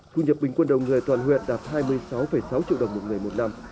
khu nhập bình quân đồng người toàn huyện đạt hai mươi sáu sáu triệu đồng một người một năm